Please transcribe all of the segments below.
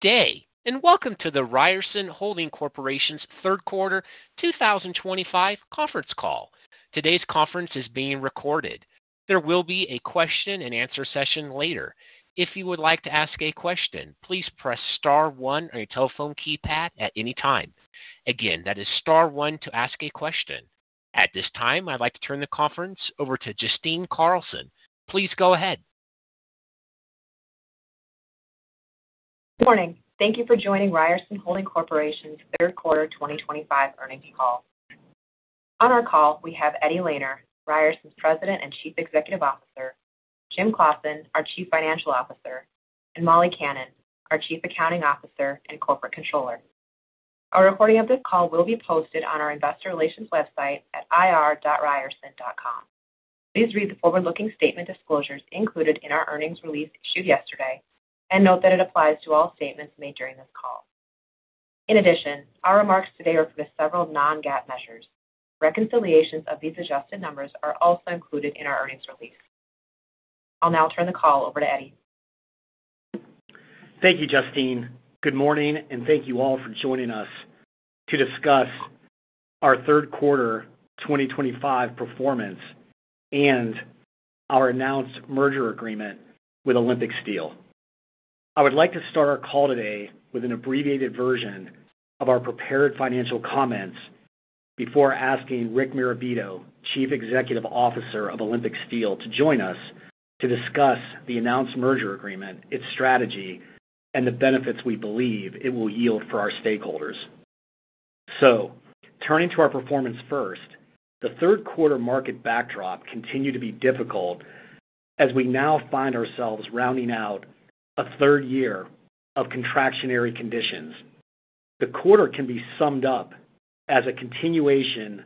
Good day and welcome to the Ryerson Holding Corporation's third quarter 2025 conference call. Today's conference is being recorded. There will be a question and answer session later. If you would like to ask a question, please press star one on your telephone keypad at any time. Again, that is star one to ask a question. At this time I'd like to turn the conference over to Justine Carlson. Please go ahead. Good morning. Thank you for joining Ryerson Holding Corporation's third quarter 2025 earnings call. On our call we have Eddie Lehner, Ryerson's President and Chief Executive Officer, Jim Claassen, our Chief Financial Officer, and Molly Kannan, our Chief Accounting Officer and Corporate Controller. A recording of this call will be posted on our investor relations website at ir.ryerson.com. Please read the forward-looking statement disclosures included in our earnings release issued yesterday and note that it applies to all statements made during this call. In addition, our remarks today refer to several non-GAAP measures. Reconciliations of these adjusted numbers are also included in our earnings release. I'll now turn the call over to Eddie. Thank you, Justine. Good morning, and thank you all for joining us to discuss our third quarter 2025 performance and our announced merger agreement with Olympic Steel. I would like to start our call today with an abbreviated version of our prepared financial comments before asking Rick Marabito, Chief Executive Officer of Olympic Steel, to join us to discuss the announced merger agreement, its strategy, and the benefits we believe it will yield for our stakeholders. Turning to our performance first, the third quarter market backdrop continued to be difficult as we now find ourselves rounding out a third year of contractionary conditions. The quarter can be summed up as a continuation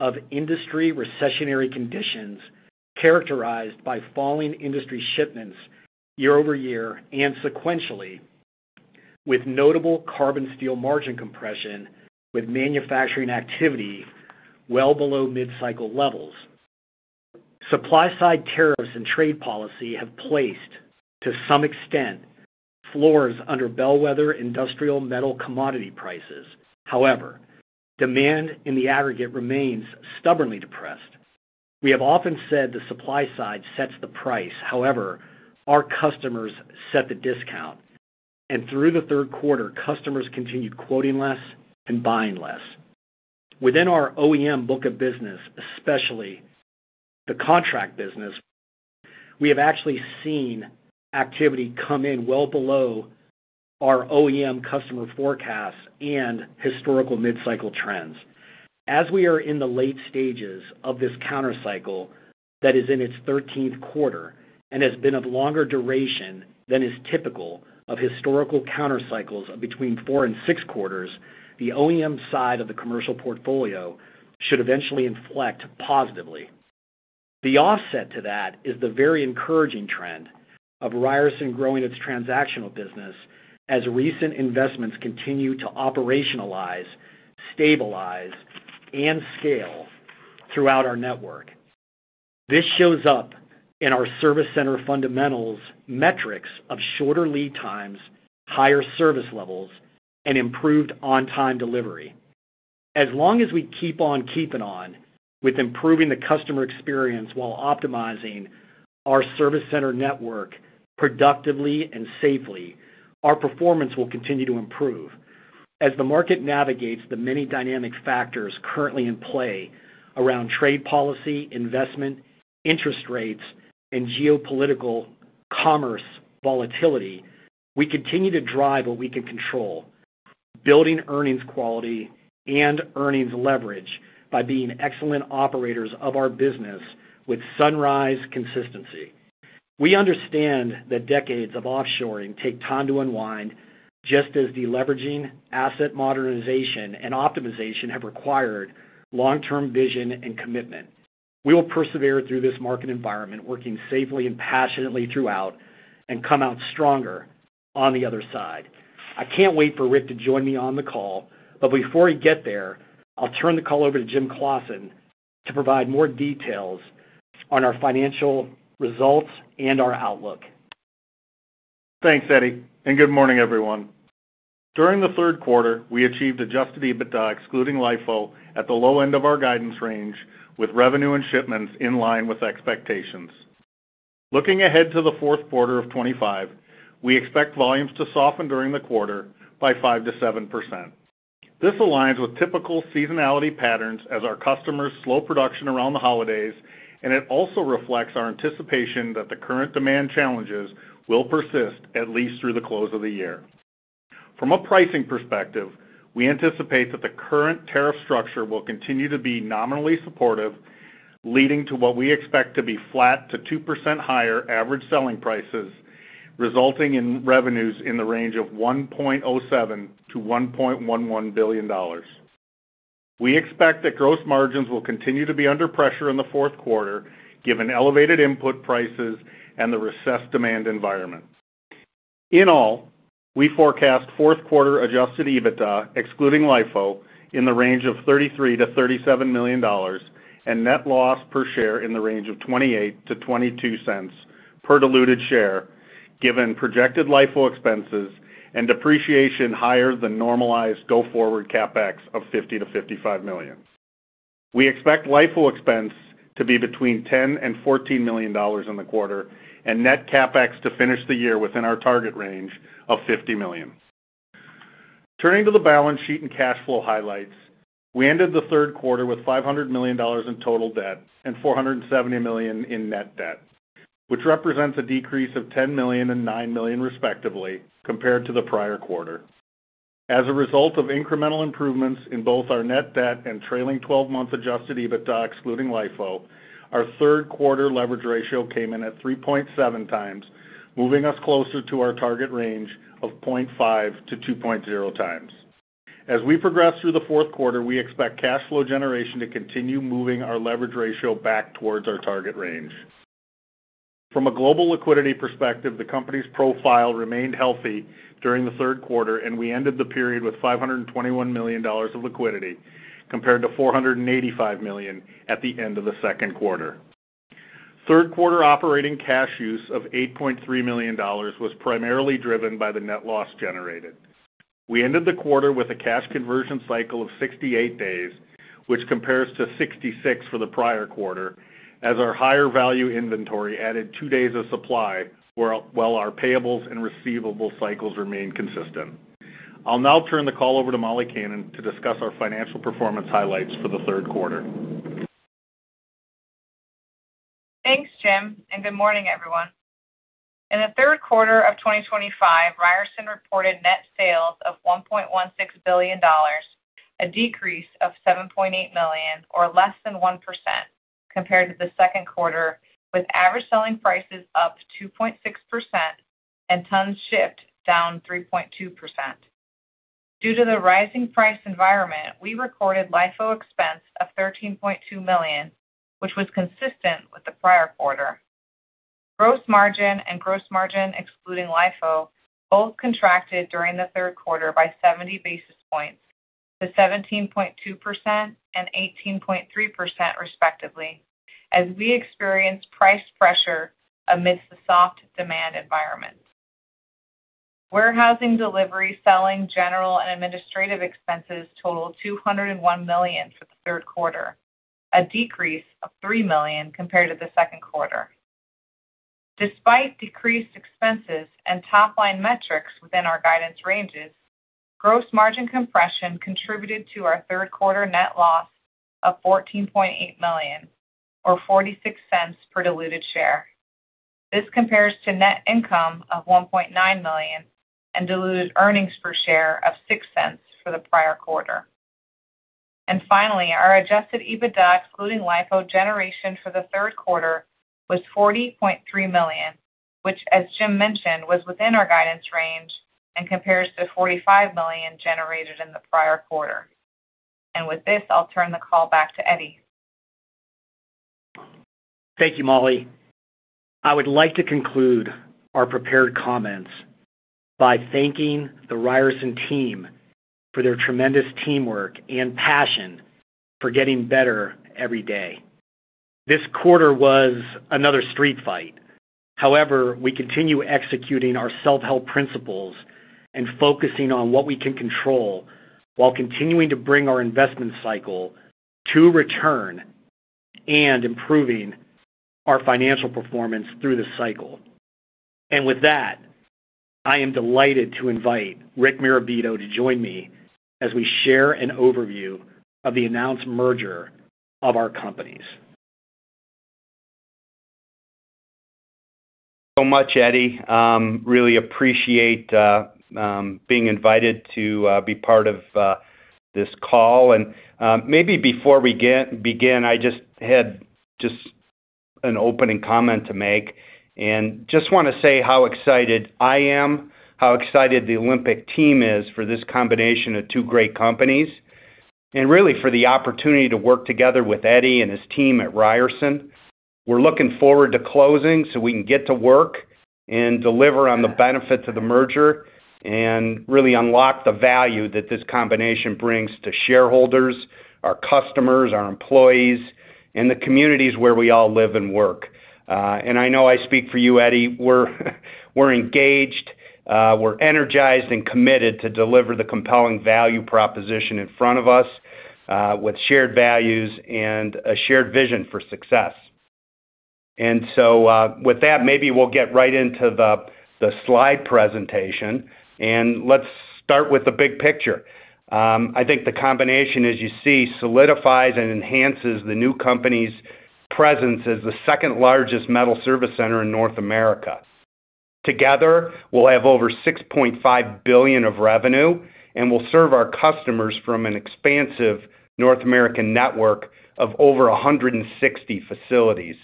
of industry recessionary conditions characterized by falling industry shipments year over year and sequentially, with notable carbon steel margin compression, with manufacturing activity well below mid-cycle levels. Supply side tariffs and trade policy have placed, to some extent, floors under bellwether industrial metal commodity prices. However, demand in the aggregate remains stubbornly depressed. We have often said the supply side sets the price; however, our customers set the discount, and through the third quarter, customers continued quoting less and buying less. Within our OEM book of business, especially the contract business, we have actually seen activity come in well below our OEM customer forecasts and historical mid-cycle trends. As we are in the late stages of this counter cycle that is in its 13th quarter and has been of longer duration than is typical of historical counter cycles between four and six quarters, the OEM side of the commercial portfolio should eventually inflect positively. The offset to that is the very encouraging trend of Ryerson growing its transactional business as recent investments continue to operationalize, stabilize, and scale throughout our network. This shows up in our service center fundamentals metrics of shorter lead times, higher service levels, and improved on-time delivery. As long as we keep on keeping on with improving the customer experience while optimizing our service center network productively and safely, our performance will continue to improve as the market navigates the many dynamic factors currently in play around trade policy, investment interest rates, and geopolitical commerce volatility. We continue to drive what we can control, building earnings quality and earnings leverage by being excellent operators of our business with sunrise consistency. We understand that decades of offshoring take time to unwind just as deleveraging, asset modernization, and optimization have required long-term vision and commitment. We will persevere through this market environment, working safely and passionately throughout, and come out stronger on the other side. I can't wait for Rick to join me on the call, but before we get there, I'll turn the call over to Jim Claassen to provide more details on our financial results and our outlook. Thanks Eddie and good morning everyone. During the third quarter we achieved adjusted EBITDA excluding LIFO at the low end of our guidance range, with revenue and shipments in line with expectations. Looking ahead to Q4 2025, we expect volumes to soften during the quarter by 5% to 7%. This aligns with typical seasonality patterns as our customers slow production around the holidays, and it also reflects our anticipation that the current demand challenges will persist at least through the close of the year. From a pricing perspective, we anticipate that the current tariff structure will continue to be nominally supportive, leading to what we expect to be flat to 2% higher average selling prices, resulting in revenues in the range of $1.07 billion to $1.11 billion. We expect that gross margins will continue to be under pressure in the fourth quarter given elevated input prices and the recessed demand environment. In all, we forecast fourth quarter adjusted EBITDA excluding LIFO in the range of $33 million to $37 million and net loss per share in the range of $0.28 to $0.22 per diluted share. Given projected LIFO expenses and depreciation higher than normalized go-forward CapEx of $50 million to $55 million, we expect LIFO expense to be between $10 million and $14 million in the quarter and net CapEx to finish the year within our target range of $50 million. Turning to the balance sheet and cash flow highlights, we ended the third quarter with $500 million in total debt and $470 million in net debt, which represents a decrease of $10 million and $9 million respectively, compared to the prior quarter. As a result of incremental improvements in both our net debt and trailing twelve month adjusted EBITDA, excluding LIFO, our third quarter leverage ratio came in at 3.7 times, moving us closer to our target range of 0.5 times to 2.0 times. As we progress through the fourth quarter, we expect cash flow generation to continue moving our leverage ratio back towards our target range. From a global liquidity perspective, the company's profile remained healthy during the third quarter and we ended the period with $521 million of liquidity compared to $485 million at the end of the second quarter. Third quarter operating cash use of $8.3 million was primarily driven by the net loss generated. We ended the quarter with a cash conversion cycle of 68 days, which compares to 66 days for the prior quarter as our higher value inventory added two days of supply while our payables and receivable cycles remain consistent. I'll now turn the call over to Molly Cannon to discuss our financial performance highlights for the third quarter. Thanks, Jim, and good morning, everyone. In the third quarter of 2025, Ryerson reported net sales of $1.16 billion, a decrease of $7.8 million, or less than 1%, compared to the second quarter. With average selling prices up 2.6% and tons shipped down 3.2% due to the rising price environment, we recorded LIFO expense of $13.2 million, which was consistent with the prior quarter. Gross margin and gross margin excluding LIFO both contracted during the third quarter by 70 basis points to 17.2% and 18.3%, respectively, as we experienced price pressure amidst the soft demand environment. Warehousing, delivery, selling, general and administrative expenses totaled $201 million for the third quarter, a decrease of $3 million compared to the second quarter. Despite decreased expenses and top line metrics within our guidance ranges, gross margin compression contributed to our third quarter net loss of $14.8 million, or $0.46 per diluted share. This compares to net income of $1.9 million and diluted earnings per share of $0.06 for the prior quarter. Finally, our adjusted EBITDA excluding LIFO generation for the third quarter was $40.3 million, which, as Jim mentioned, was within our guidance range and compares to $45 million generated in the prior quarter. With this, I'll turn the call back to Eddie. Thank you, Molly. I would like to conclude our prepared comments by thanking the Ryerson team for their tremendous teamwork and passion for getting better every day. This quarter was another street fight. However, we continue executing our self help principles and focusing on what we can control while continuing to bring our investment cycle to return and improving our financial performance through the cycle. I am delighted to invite Rick Marabito to join me as we share an overview of the announced merger of our companies. Thank you so much, Eddie. Really appreciate being invited to be part of this call. Maybe before we begin, I just had an opening comment to make and just want to say how excited I am, how excited the Olympic team is for this combination of two great companies and really for the opportunity to work together with Eddie and his team at Ryerson. We're looking forward to closing so we can get to work and deliver on the benefits of the merger and really unlock the value that this combination brings to shareholders, our customers, our employees, and the communities where we all live and work. I know I speak for you, Eddie. We're engaged, we're energized, and committed to deliver the compelling value proposition in front of us with shared values and a shared vision for success. With that, maybe we'll get right into the slide presentation and let's start with the big picture. I think the combination, as you see, solidifies and enhances the new company's presence as the second largest metal service center in North America. Together, we'll have over $6.5 billion of revenue and we'll serve our customers from an expansive North American network of over 160 facilities,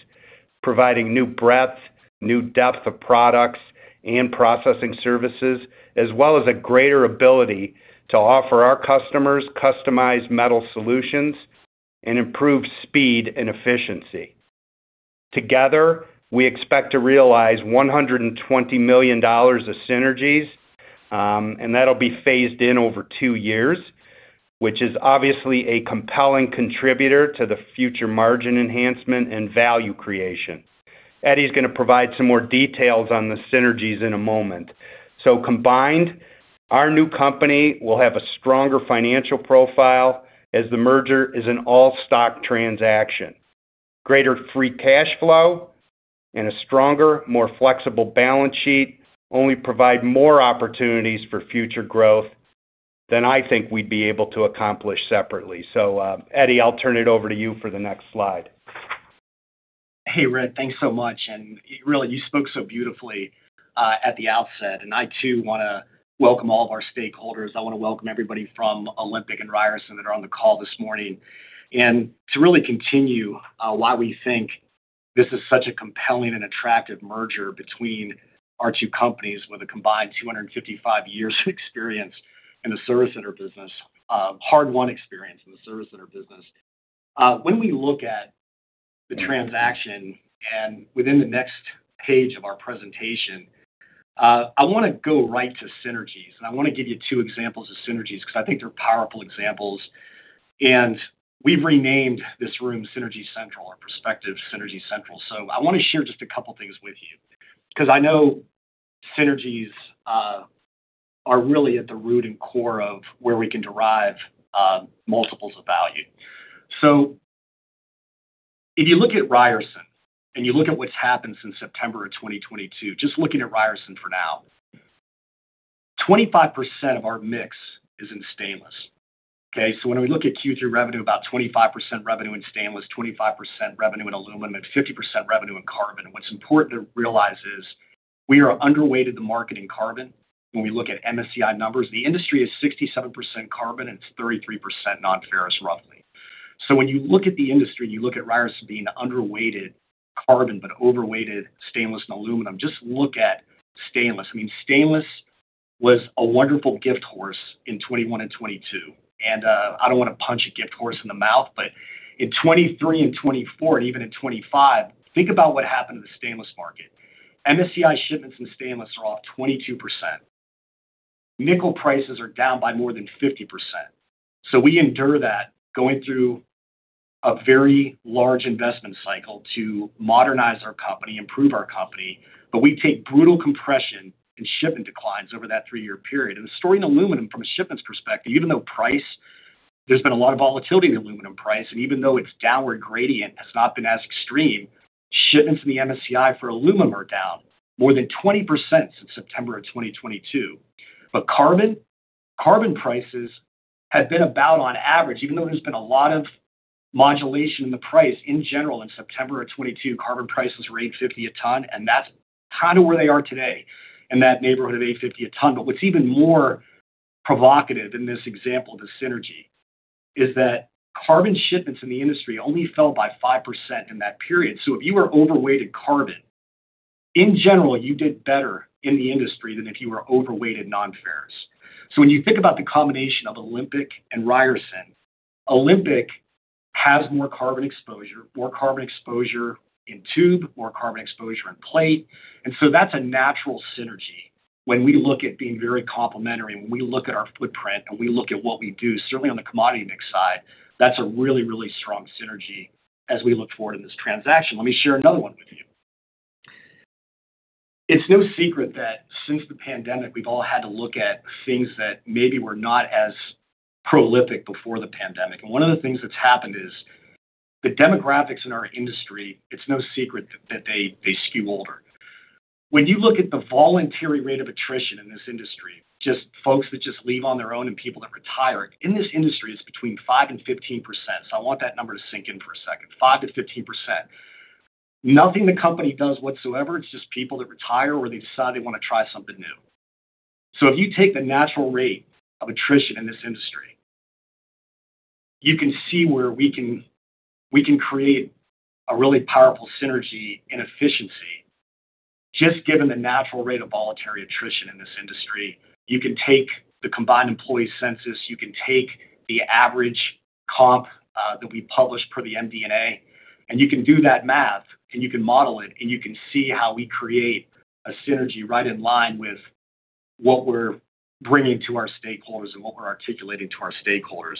providing new breadth, new depth of products and processing services, as well as a greater ability to offer our customers customized metal solutions and improve speed and efficiency. Together, we expect to realize $120 million of synergies and that will be phased in over two years, which is obviously a compelling contributor to the future margin enhancement and value creation. Eddie's going to provide some more details on the synergies in a moment. Combined, our new company will have a stronger financial profile as the merger is an all stock transaction. Greater free cash flow and a stronger, more flexible balance sheet only provide more opportunities for future growth than I think we'd be able to accomplish separately. Eddie, I'll turn it over to you for the next slide. Hey Rick, thanks so much and really you spoke so beautifully at the outset and I too want to welcome all of our stakeholders. I want to welcome everybody from Olympic and Ryerson that are on the call this morning and to really continue why we think this is such a compelling and attractive merger between our two companies. With a combined 255 years of experience in the service center business, hard won experience in the service center business. When we look at the transaction and within the next page of our presentation, I want to go right to synergies and I want to give you two examples of synergies, because I think they're powerful examples. We've renamed this room Synergy Central or prospective Synergy Central. I want to share just a couple things with you because I know synergies are really at the root and core of where we can derive multiples of value. If you look at Ryerson and you look at what's happened since September of 2022, just looking at Ryerson for now, 25% of our mix is in stainless. When we look at Q3 revenue, about 25% revenue in stainless, 25% revenue in aluminum, and 50% revenue in carbon. What's important to realize is we are underweighted the market in carbon. When we look at MSCI numbers, the industry is 67% carbon and 33% non ferrous, roughly. When you look at the industry, you look at Ryerson being underweighted carbon, but overweighted stainless and aluminum. Just look at stainless. I mean, stainless was a wonderful gift horse in 2021 and 2022, and I don't want to punch a gift horse in the mouth. In 2023 and 2024 and even in 2025, think about what happened to the stainless market. MSCI shipments in stainless are off 22%. Nickel prices are down by more than 50%. We endure that going through a very large investment cycle to modernize our company, improve our company. We take brutal compression and shipment declines over that three year period. The story in aluminum, from a shipment's perspective, even though price, there's been a lot of volatility in aluminum price, and even though its downward gradient has not been as extreme, shipments in the MSCI for aluminum are down more than 20% since September of 2022. Carbon, carbon prices had been about on average, even though there's been a lot of modulation in the price in general. In September of 2022, carbon prices were $850 a ton. That's kind of where they are today in that neighborhood of $850 a ton. What's even more provocative in this example, the synergy is that carbon shipments in the industry only fell by 5% in that period. If you were overweighted carbon in general, you did better in the industry than if you were overweighted nonferrous. When you think about the combination of Olympic Steel and Ryerson, Olympic Steel has more carbon exposure, more carbon exposure in tube, more carbon exposure in plate. That's a natural synergy. When we look at being very complementary, when we look at our footprint and we look at what we do, certainly on the commodity mix side, that's a really, really strong synergy as we look forward in this transaction. Let me share another one with you. It's no secret that since the pandemic, we've all had to look at things that maybe were not as prolific before the pandemic. One of the things that's happened is the demographics in our industry, it's no secret that they skew older. When you look at the voluntary rate of attrition in this industry, just folks that just leave on their own and people that retire in this industry, it's between 5% and 15%. I want that number to sink in for a second. 5% to 15%. Nothing the company does whatsoever. It's just people that retire or they decide they want to try something new. If you take the natural rate of attrition in this industry, you can see where we can create a really powerful synergy in efficiency just given the natural rate of voluntary attrition in this industry. You can take the combined employee census, you can take the average comp that we publish per the MD&A, and you can do that math and you can model it, and you can see how we create a synergy right in line with what we're bringing to our stakeholders and what we're articulating to our stakeholders.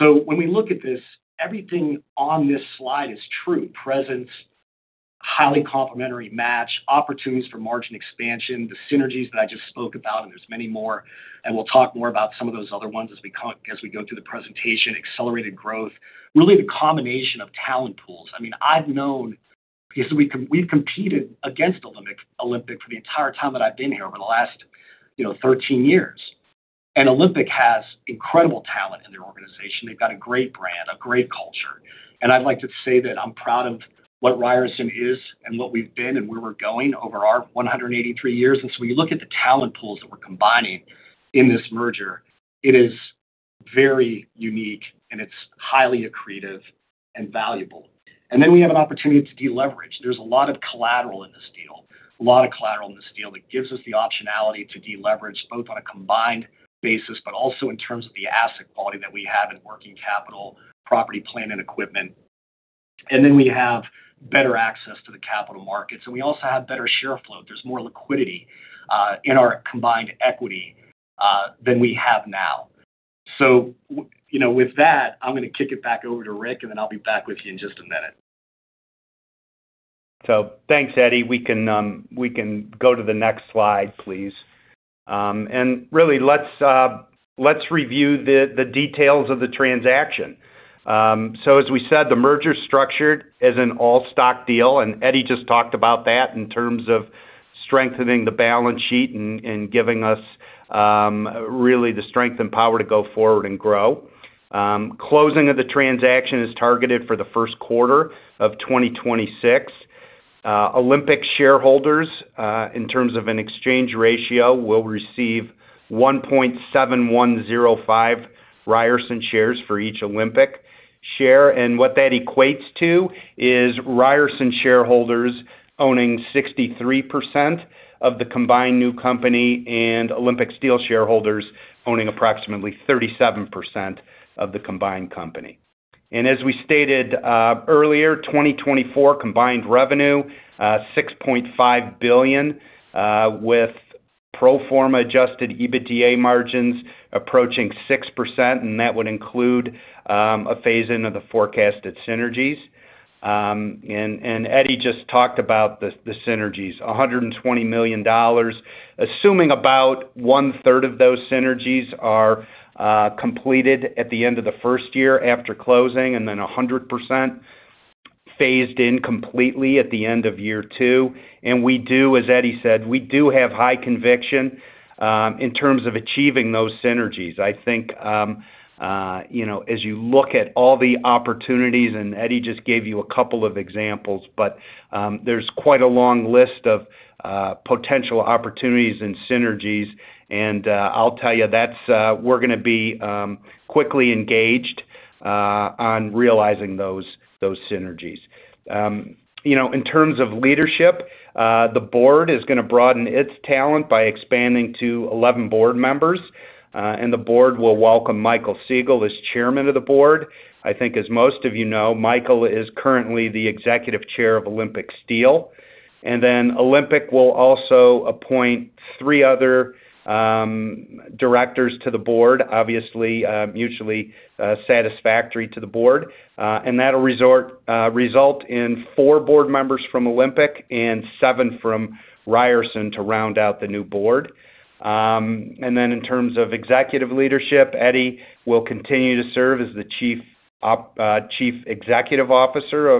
When we look at this, everything on this slide is true presence, highly complementary match opportunities for margin expansion. The synergies that I just spoke about, and there's many more, and we'll talk more about some of those other ones as we go through the presentation. Accelerated growth, really, the combination of talent pools. I've known we've competed against Olympic Steel for the entire time that I've been here over the last 13 years. Olympic Steel has incredible talent in their organization. They've got a great brand, a great culture. I'd like to say that I'm proud of what Ryerson is and what we've been and where we're going over our 183 years. When you look at the talent pools that we're combining in this merger, it is very unique and it's highly accretive and valuable. We have an opportunity to deleverage. There's a lot of collateral in this deal, a lot of collateral in this deal that gives us the optionality to deleverage both on a combined basis, but also in terms of the asset quality that we have in working capital, property, plant and equipment. We have better access to the capital markets and we also have better share float. There's more liquidity in our combined equity than we have now. With that, I'm going to kick it back over to Rick and then I'll be back with you in just a minute. Thanks, Eddie. We can go to the next slide, please. Let's review the details of the transaction. As we said, the merger is structured as an all stock deal, and Eddie just talked about that in terms of strengthening the balance sheet and giving us the strength and power to go forward and grow. Closing of the transaction is targeted for the first quarter of 2026. Olympic shareholders, in terms of an exchange ratio, will receive 1.7105 Ryerson shares for each Olympic share. What that equates to is Ryerson shareholders owning 63% of the combined new company and Olympic Steel shareholders owning approximately 37% of the combined company. As we stated earlier, 2024 combined revenue is $6.5 billion with pro forma adjusted EBITDA margins approaching 6%. That would include a phase-in of the forecasted synergies. Eddie just talked about the synergies: $120 million, assuming about one third of those synergies are completed at the end of the first year after closing and then 100% phased in completely at the end of year two. We do, as Eddie said, have high conviction in terms of achieving those synergies. I think, as you look at all the opportunities, and Eddie just gave you a couple of examples, but there's quite a long list of potential opportunities and synergies. I'll tell you, we're going to be quickly engaged on realizing those synergies. In terms of leadership, the board is going to broaden its talent by expanding to 11 board members. The board will welcome Michael Siegal as Chairman of the Board. I think, as most of you know, Michael is currently the Executive Chair of Olympic Steel. Olympic will also appoint three other directors to the board, obviously mutually satisfactory to the board. That will result in four board members from Olympic and seven from Ryerson to round out the new board. In terms of executive leadership, Eddie will continue to serve as the Chief Executive Officer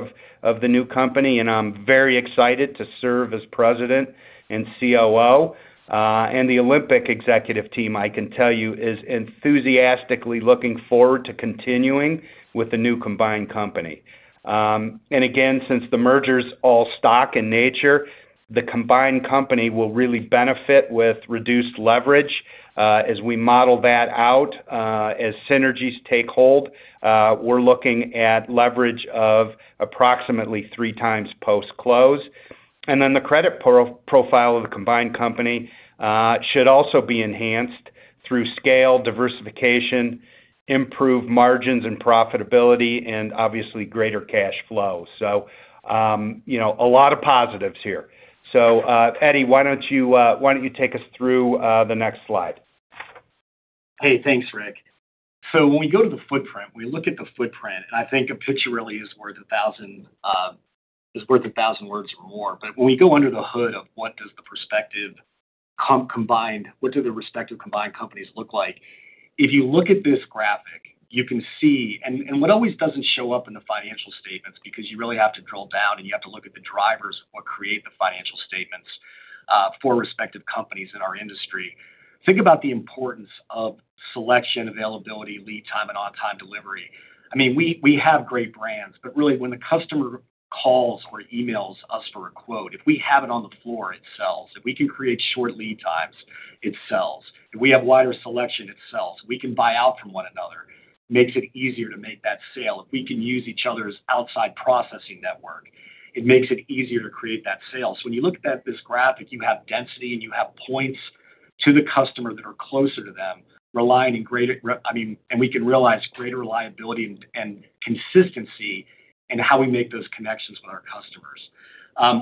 of the new company. I'm very excited to serve as President and COO. The Olympic executive team, I can tell you, is enthusiastically looking forward to continuing with the new combined company. Since the merger is all stock in nature, the combined company will really benefit with reduced leverage. As we model that out as synergies take hold, we're looking at leverage of approximately three times post close. The credit profile of the combined company should also be enhanced through scale diversification, improved margins and profitability, and obviously greater cash flow. There are a lot of positives here. Eddie, why don't you take us through the next slide? Hey, thanks Rick. When we go to the footprint, we look at the footprint and I think a picture really is worth a thousand words or more. When we go under the hood of what does the prospective combined, what do the respective combined companies look like? If you look at this graphic you can see and what always doesn't show up in the financial statements because you really have to drill down and you have to look at the drivers that create the financial statements for respective companies. In our industry, think about the importance of selection, availability, lead time, and on time delivery. We have great brands but really when the customer calls or emails us for a quote, if we have it on the floor, it sells. If we can create short lead times, it sells. If we have wider selection, it sells, we can buy out from one another, makes it easier to make that sale. If we can use each other's outside processing network, it makes it easier to create that sale. When you look at this graphic, you have density and you have points to the customer that are closer to them, and we can realize greater reliability and consistency in how we make those connections with our customers.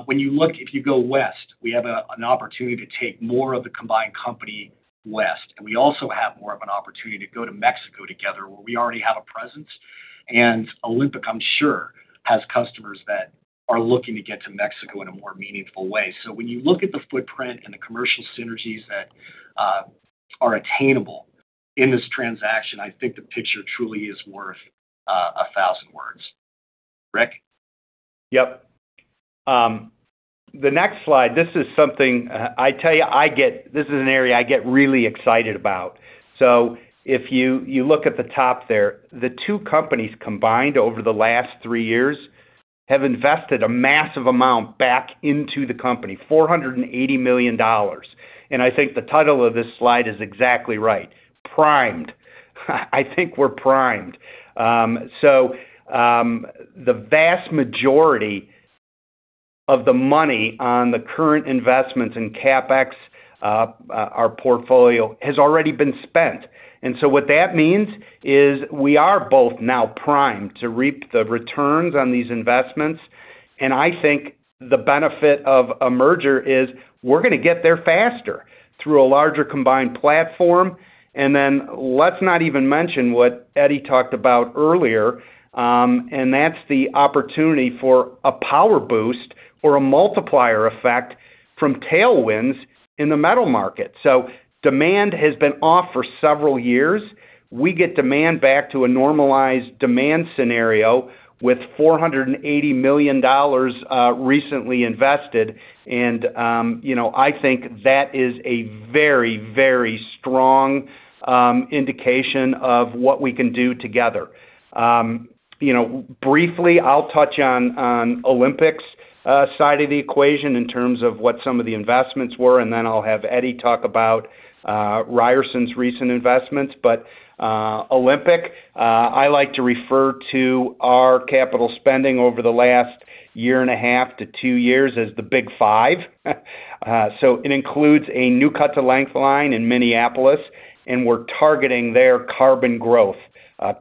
If you go west, we have an opportunity to take more of the combined company west and we also have more of an opportunity to go to Mexico together where we already have a presence and Olympic Steel I'm sure has customers that are looking to get to Mexico in a more meaningful way. When you look at the footprint and the commercial synergies that are attainable in this transaction, I think the picture truly is worth a thousand words. Rick. Yep. The next slide. This is something I tell you I get, this is an area I get really excited about. If you look at the top there, the two companies combined over the last three years have invested a massive amount back into the company. $480 million, and I think the title of this slide is exactly right. Primed. I think we're primed. The vast majority of the money on the current investments in CapEx, our portfolio has already been spent. What that means is we are both now primed to reap the returns on these investments. I think the benefit of a merger is we're going to get there faster through a larger combined platform. Let's not even mention what Eddie talked about earlier, and that's the opportunity for a power boost or a multiplier effect from tailwinds in the metal market. Demand has been off for several years. We get demand back to a normalized demand scenario with $480 million recently invested. I think that is a very, very strong indication of what we can do together. Briefly, I'll touch on Olympic's side of the equation in terms of what some of the investments were, and then I'll have Eddie talk about Ryerson's recent investments. Olympic, I like to refer to our capital spending over the last year and a half to two years as the big five. It includes a new cut-to-length line in Minneapolis, and we're targeting their carbon growth,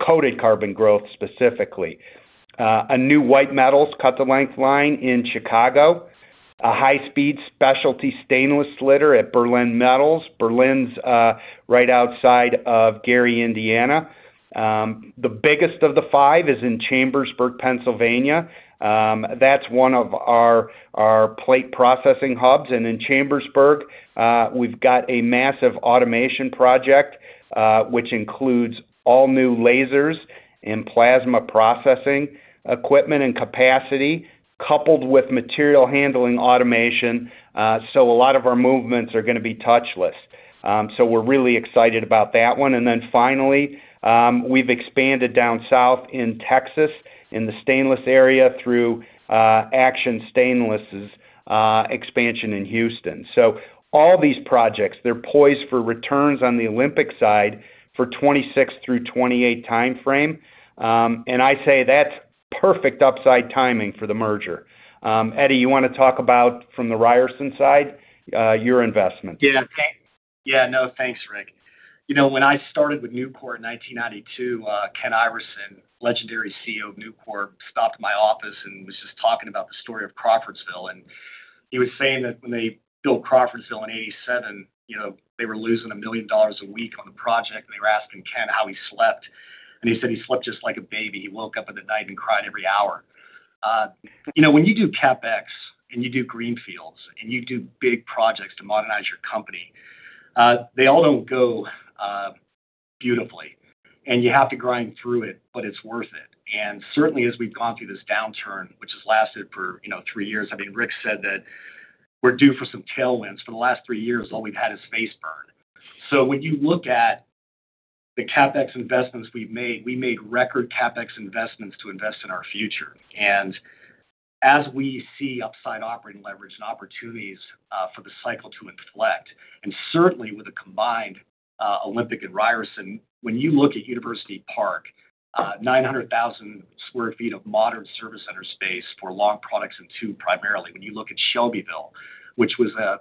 coated carbon growth specifically, a new white metals cut-to-length line in Chicago, a high-speed specialty stainless slitter at Berlin Metals. Berlin's right outside of Gary, Indiana. The biggest of the five is in Chambersburg, Pennsylvania. That's one of our plate processing hubs. In Chambersburg, we've got a massive automation project which includes all new lasers and plasma processing equipment and capacity, coupled with material handling automation. A lot of our movements are going to be touchless, so we're really excited about that one. Finally, we've expanded down south in Texas in the stainless area through Action Stainless expansion in Houston. All these projects are poised for returns on the Olympic side for the 2026 through 2028 timeframe. I say that's perfect upside timing for the merger. Eddie, you want to talk about from the Ryerson side, your investment? Yeah, yeah, no thanks, Rick. You know, when I started with Nucor in 1992, Ken Iverson, legendary CEO of Nucor, stopped by my office and was just talking about the story of Crawfordsville. He was saying that when they built Crawfordsville in 1987, they were losing $1 million a week on the project. They were asking Ken how he slept and he said he slept just like a baby. He woke up at night and cried every hour. You know when you do CapEx and you do Greenfields and you do big projects to modernize your company, they all don't go beautifully and you have to grind through it, but it's worth it. Certainly as we've gone through this downturn which has lasted for, you know, three years, I mean, Rick said that we're due for some tailwinds. For the last three years all we've had is space burn. When you look at the CapEx investments we've made, we made record CapEx investments to invest in our future. As we see upside, operating leverage and opportunities for the cycle to inflect and certainly with a combined Olympic Steel and Ryerson Holding Corporation, when you look at University Park, 900,000 square feet of modern service center space for long products and two, primarily when you look at Shelbyville, which was a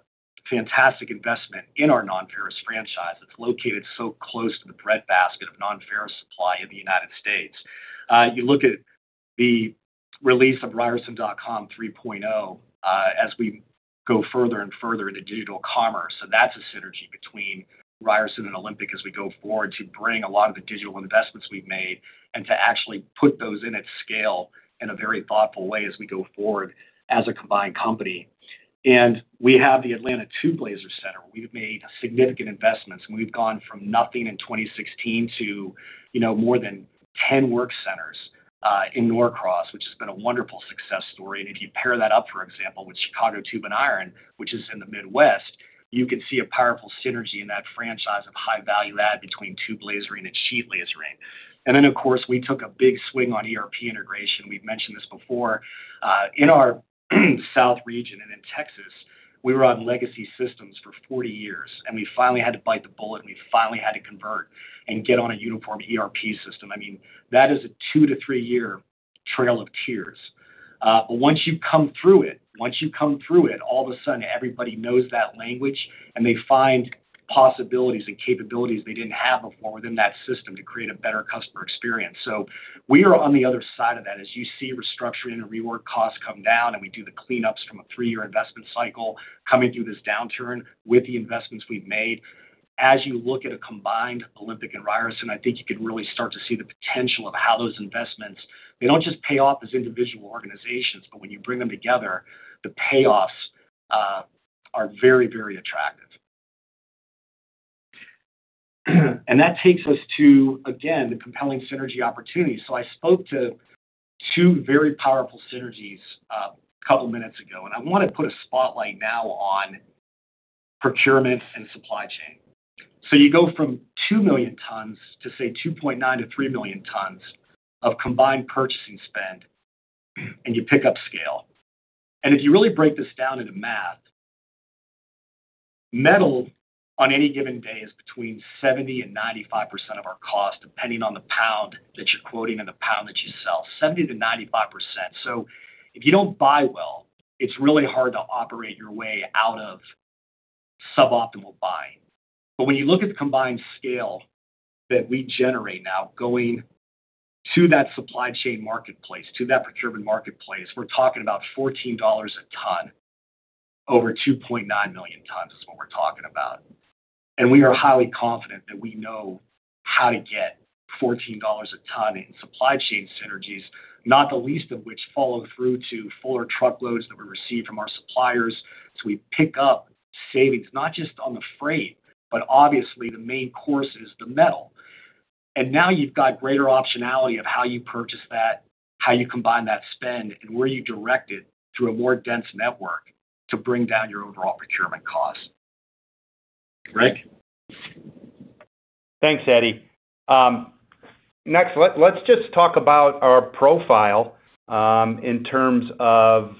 fantastic investment in our non ferrous franchise. It's located so close to the breadbasket of non ferrous supply in the United States. You look at the release of ryerson.com 3.0 as we go further and further into digital commerce. That's a synergy between Ryerson Holding Corporation and Olympic Steel. As we go forward to bring a lot of the digital investments we've made and to actually put those in at scale in a very thoughtful way. As we go forward as a combined company and we have the Atlanta Tube Laser center, we've made significant investments. We've gone from nothing in 2016 to more than 10 work centers in Norcross, which has been a wonderful success story. If you pair that up for example with Chicago Tube and Iron, which is in the Midwest, you can see a powerful synergy in that franchise of high value add between tube lasering and sheet lasering. Of course we took a big swing on ERP integration. We've mentioned this before in our South region and in Texas, we were on legacy systems for 40 years and we finally had to bite the bullet. We finally had to convert and get on a uniform ERP system. I mean that is a two to three year trail of tears. Once you come through it, all of a sudden everybody knows that language and they find possibilities and capabilities they didn't have before within that system to create a better customer experience. We are on the other side of that. As you see restructuring and rework costs come down and we do the cleanups from a three-year investment cycle. Coming through this downturn with the investments we've made, as you look at a combined Olympic Steel and Ryerson, I think you could really start to see the potential of how those investments, they don't just pay off as individual organizations, but when you bring them together, the payoffs are very, very attractive. That takes us to, again, the compelling synergy opportunity. I spoke to two very powerful synergies a couple minutes ago and I want to put a spotlight now on procurement and supply chain. You go from 2 million tons to, say, 2.9 to 3 million tons of combined purchasing spend and you pick up scale. If you really break this down into math, metal on any given day is between 70% and 95% of our cost, depending on the pound that you're quoting and the pound that you sell, 70% to 95%. If you don't buy well, it's really hard to operate your way out of suboptimal buying. When you look at the combined scale that we generate now, going to that supply chain marketplace, to that procurement marketplace, we're talking about $14 a ton. Over 2.9 million tons is what we're talking about. We are highly confident that we know how to get $14 a ton in supply chain synergies, not the least of which follow through to fuller truckloads that we receive from our suppliers. We pick up savings not just on the freight, but obviously the main course is the metal. Now you've got greater optionality of how you purchase that, how you combine that spend and where you direct it through a more dense network to bring down your overall procurement cost. Rick. Thanks, Eddie. Next, let's just talk about our profile in terms of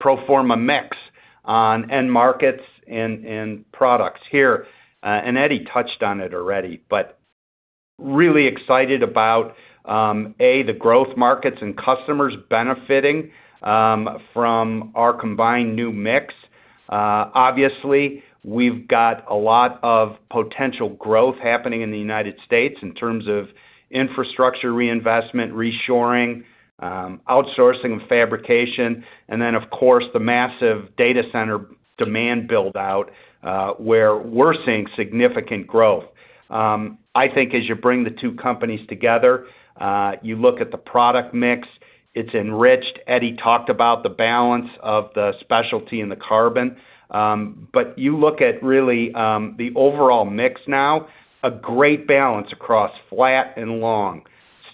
pro forma mix on end markets and products here. Eddie touched on it already, but really excited about the growth markets and customers benefiting from our combined new mix. Obviously we've got a lot of potential growth happening in the United States in terms of infrastructure, reinvestment, reshoring, outsourcing, and fabrication. Of course, the massive data center demand build out where we're seeing significant growth. I think as you bring the two companies together, you look at the product mix, it's enriched. Eddie talked about the balance of the specialty and the carbon, but you look at really the overall mix now, a great balance across flat and long,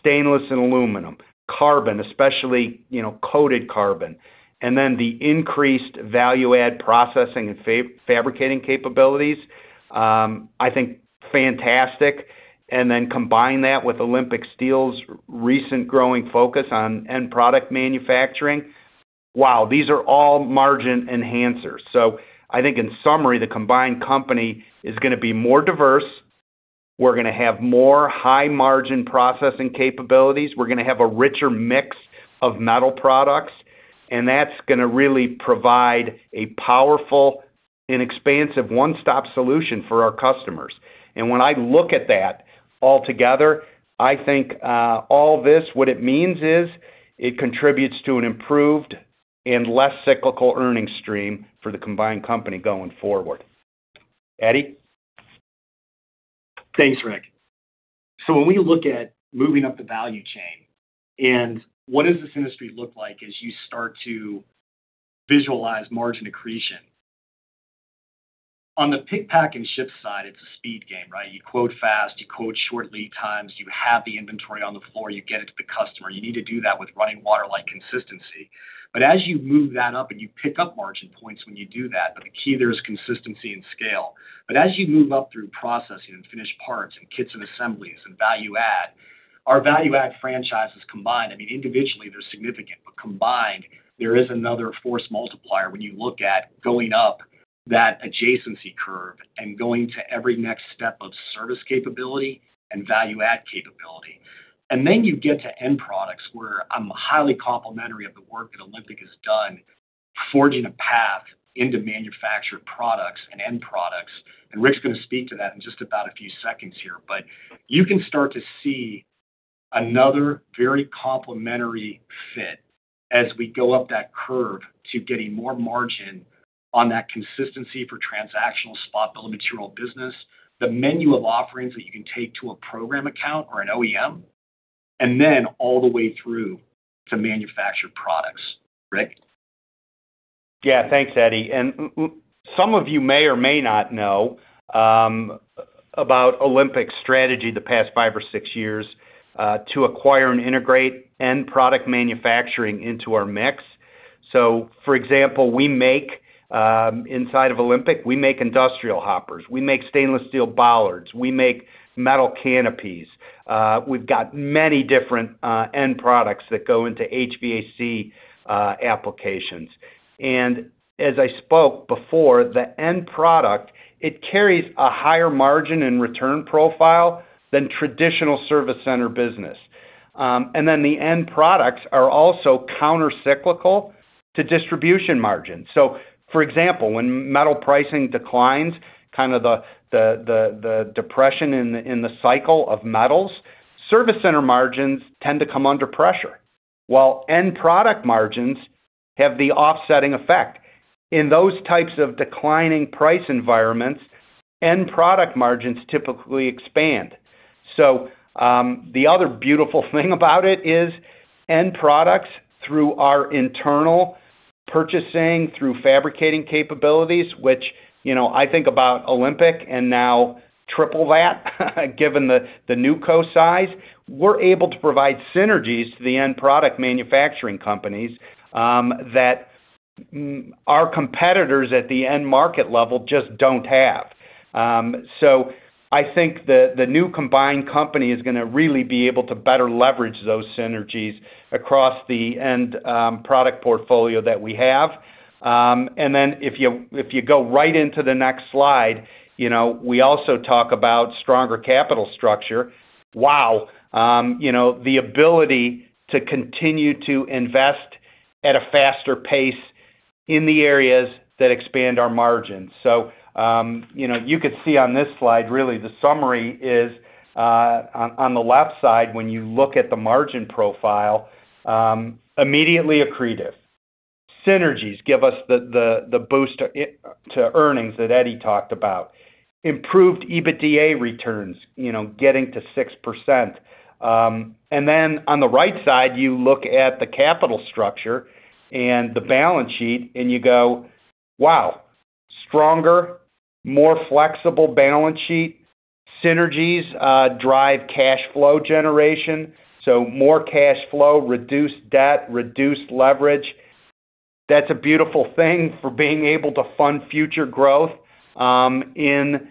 stainless and aluminum, carbon, especially coated carbon, and then the increased value-added processing and fabricating capabilities, I think fantastic. Combine that with Olympic Steel's recent growing focus on end product manufacturing. Wow. These are all margin enhancers. I think in summary, the combined company is going to be more diverse. We're going to have more high margin processing capabilities, we're going to have a richer mix of metal products. That is going to really provide a powerful and expansive one stop solution for our customers. When I look at that altogether, I think all this, what it means is it contributes to an improved and less cyclical earnings stream for the combined company going forward. Eddie. Thanks, Rick. When we look at moving up the value chain and what this industry looks like as you start to visualize margin accretion on the pick, pack, and ship side, it's a speed game, right? You quote fast, you quote short lead times, you have the inventory on the floor, you get it to the customer. You need to do that with running water-like consistency. As you move that up, you pick up margin points when you do that. The key there is consistency and scale. As you move up through processing and finished parts and kits and assemblies and value add, our value add franchises combined, individually they're significant, but combined there is another force multiplier. When you look at going up that adjacency curve and going to every next step of service capability and value add capability, then you get to end products where I'm highly complimentary of the work that Olympic Steel has done forging a path into manufactured products and end products. Rick's going to speak to that in just about a few seconds here. You can start to see another very complementary fit as we go up that curve to getting more margin on that consistency for transactional spot bill of material business. The menu of offerings that you can take to a program account or an OEM and then all the way through to manufactured products. Rick. Yeah, thanks Eddie. Some of you may or may not know about Olympic strategy the past five or six years to acquire and integrate end product manufacturing into our mix. For example, we make inside of Olympic, we make industrial hoppers, we make stainless steel bollards, we make metal canopies. We've got many different end products that go into HVAC applications. As I spoke before, the end product carries a higher margin and return profile than traditional service center business. The end products are also countercyclical to distribution margin. For example, when metal pricing declines, kind of the depression in the cycle of metals, service center margins tend to come under pressure, while end product margins have the offsetting effect. In those types of declining price environments, end product margins typically expand. The other beautiful thing about it is end products, through our internal purchasing, through fabricating capabilities, which, you know, I think about Olympic and now triple that given the new co size, we're able to provide synergies to the end product manufacturing companies that our competitors at the end market level just don't have. I think the new combined company is going to really be able to better leverage those synergies across the end product portfolio that we have. If you go right into the next slide, we also talk about stronger capital structure. Wow. The ability to continue to invest at a faster pace in the areas that expand our margins. You could see on this slide, really the summary is on the left side. When you look at the margin profile, immediately accretive synergies give us the boost to earnings that Eddie talked about. Improved EBITDA returns getting to 6%. On the right side, you look at the capital structure and the balance sheet and you go, wow. Stronger, more flexible balance sheet synergies drive cash flow generation. More cash flow, reduced debt, reduced leverage. That's a beautiful thing for being able to fund future growth in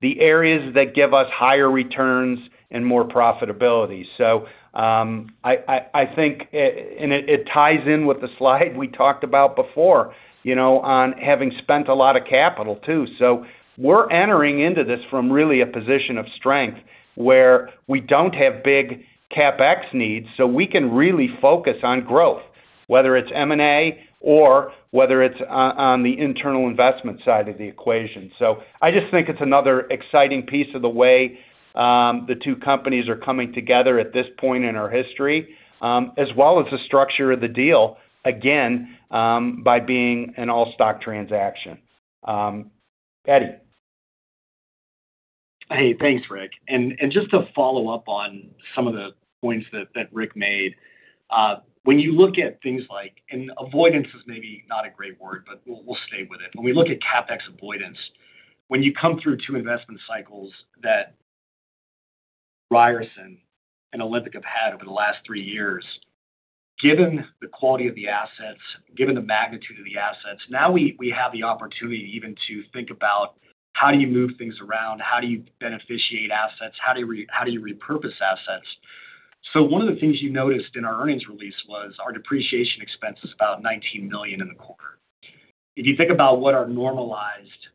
the areas that give us higher returns and more profitability. I think it ties in with the slide we talked about before on having spent a lot of capital too. We're entering into this from really a position of strength where we don't have big CapEx needs, so we can really focus on growth whether it's M&A or whether it's on the internal investment side of the equation. I just think it's another exciting piece of the way the two companies are coming together at this point in our history as well as the structure of the deal, again by being an all stock transaction. Eddie. Hey, thanks Rick. Just to follow up on some of the points that Rick made, when you look at things like, and avoidance is maybe not a great word but we'll stay with it, when we look at CapEx avoidance, when you come through two investment cycles that Ryerson and Olympic have had over the last three years, given the quality of the assets, given the magnitude of the assets, now we have the opportunity even to think about how do you move things around, how do you beneficiate assets, how do you repurpose assets? One of the things you noticed in our earnings release was our depreciation expense is about $19 million in the quarter. If you think about what our normalized